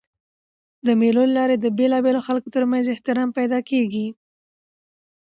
د مېلو له لاري د بېلابېلو خلکو تر منځ احترام پیدا کېږي.